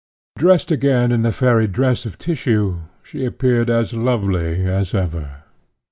Dressed again in the fairy dress of tissue, she appeared as lovely as ever.